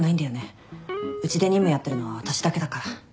うちで任務やってるのは私だけだから。